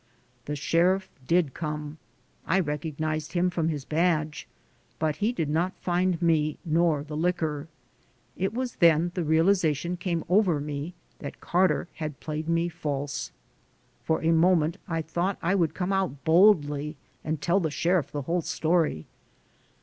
The sheriff did come, I recognized him from his badge, but he did not find me nor the liquor. It was then the realiza tion came over me that Carter had played me false. For a moment I thought I would come out boldly and tell the sheriff the whole story.